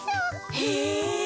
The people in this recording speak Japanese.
へえ！